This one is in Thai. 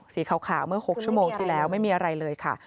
สีขาวเมื่อ๖ชั่วโมงที่แล้วไม่มีอะไรเลยค่ะ